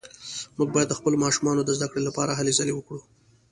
موږ باید د خپلو ماشومانو د زده کړې لپاره هلې ځلې وکړو